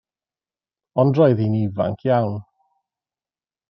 Ond roedd hi'n ifanc iawn.